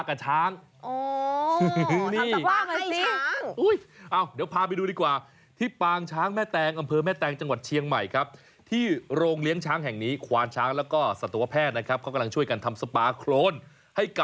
อ๋อก่อนควดเขาจะให้หลังเท้าได้เดี๋ยวจะให้สองสาวในไปทำสปา